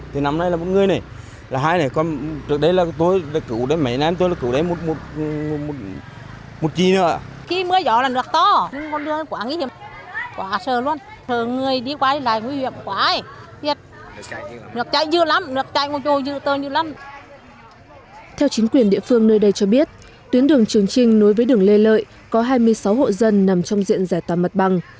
theo chính quyền địa phương nơi đây cho biết tuyến đường trường trinh nối với đường lê lợi có hai mươi sáu hộ dân nằm trong diện giải tòa mặt bằng